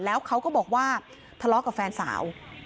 แล้วเขาก็บอกว่าทะเลาะกับแฟนสาว